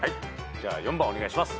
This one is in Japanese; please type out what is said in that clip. じゃあ４番お願いします。